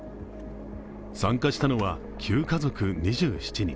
参加したのは９家族２７人。